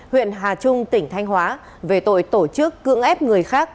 huyện hà trung tỉnh thanh hóa về tội tổ chức cưỡng ép người khác